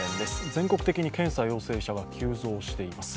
全国的に検査陽性者が急増しています。